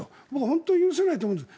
本当に許せないと思うんです。